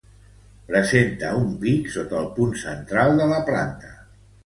Presenta un pic sota el punt central de la planta.